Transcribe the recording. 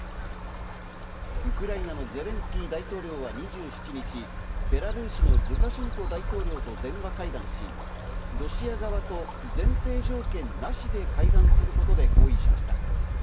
ウクライナのゼレンスキー大統領は２７日、ベラルーシのルカシェンコ大統領と電話会談し、ロシア側と前提条件なしで会談することで合意しました。